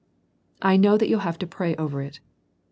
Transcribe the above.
i^know that you'll have to pray over it.